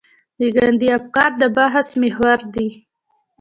د ګاندي افکار د بحث محور دي.